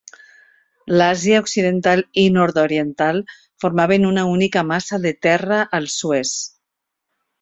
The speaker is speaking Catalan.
L'Àsia occidental i nord-oriental formaven una única massa de terra al Suez.